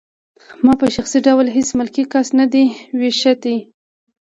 ما په شخصي ډول هېڅ ملکي کس نه دی ویشتی